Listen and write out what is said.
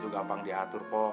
itu gampang diatur po